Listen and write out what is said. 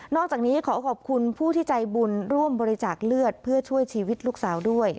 อกจากนี้ขอขอบคุณผู้ที่ใจบุญร่วมบริจาคเลือดเพื่อช่วยชีวิตลูกสาวด้วย